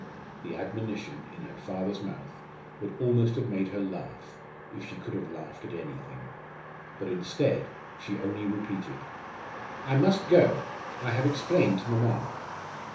The admonition, in her father's mouth, would almost have made her laugh, if she could have laughed at anything. But, instead, she only repeated: "I must go, I have explained to mamma."